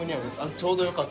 ちょうどよかった。